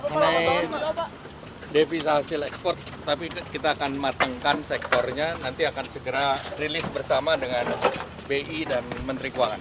ini devisa hasil ekspor tapi kita akan matangkan sektornya nanti akan segera rilis bersama dengan bi dan menteri keuangan